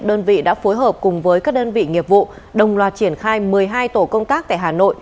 đơn vị đã phối hợp cùng với các đơn vị nghiệp vụ đồng loạt triển khai một mươi hai tổ công tác tại hà nội